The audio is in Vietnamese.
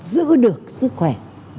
giữ được sức khỏe